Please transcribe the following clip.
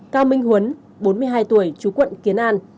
cao minh huấn bốn mươi hai tuổi chú quận kiến an